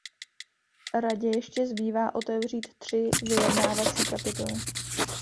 Radě ještě zbývá otevřít tři vyjednávací kapitoly.